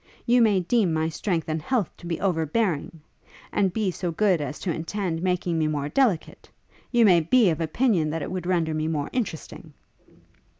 You may deem my strength and health to be overbearing? and be so good as to intend making me more delicate? You may be of opinion that it would render me more interesting?'